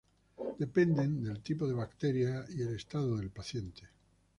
Dependen del tipo de bacteria y el estado del paciente.